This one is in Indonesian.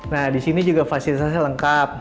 nah di sini juga fasilitasnya lengkap